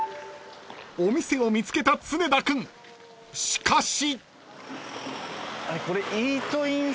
［お店を見つけた常田君しかし］